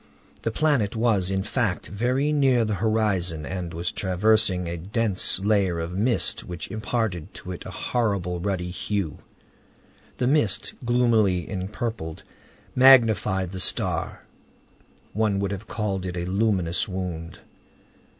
The planet was, in fact, very near the horizon and was traversing a dense layer of mist which imparted to it a horrible ruddy hue. The mist, gloomily empurpled, magnified the star. One would have called it a luminous wound.